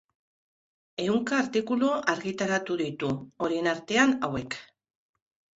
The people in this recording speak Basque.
Ehunka artikulu argitaratu ditu, horien artean hauek